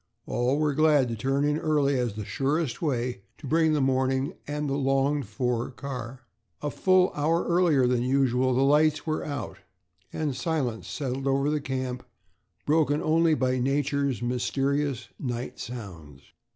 All were glad to turn in early as the surest way to bring the morning and the longed for car. A full hour earlier than usual the lights were out and silence settled over the camp, broken only by nature's mysterious night sounds.